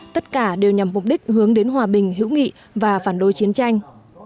tất cả đều nhằm mục đích hướng đến hòa bình hữu nghị và phản đối chiến tranh